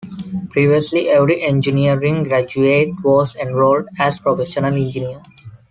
Previously every engineering graduate was enrolled as professional engineer.